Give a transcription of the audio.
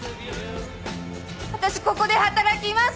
私ここで働きます！